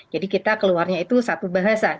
jadi kita keluarnya itu satu bahasa